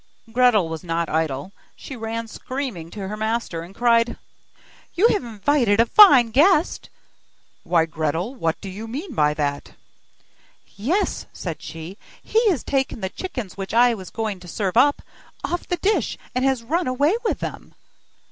Gretel was not idle; she ran screaming to her master, and cried: 'You have invited a fine guest!' 'Why, Gretel? What do you mean by that?' 'Yes,' said she, 'he has taken the chickens which I was just going to serve up, off the dish, and has run away with them!